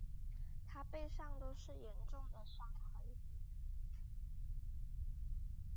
她背上都是严重的伤痕